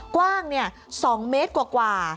กว้าง๒เมตรกว่า